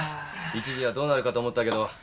一時はどうなるかと思ったけど。